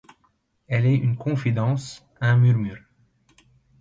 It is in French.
Elle est une confidence, un murmure.